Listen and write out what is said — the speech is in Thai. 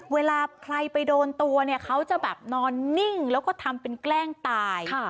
เวลาใครไปโดนตัวเนี่ยเขาจะแบบนอนนิ่งแล้วก็ทำเป็นแกล้งตาย